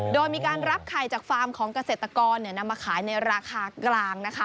โดยมีการรับไข่จากฟาร์มของเกษตรกรนำมาขายในราคากลางนะคะ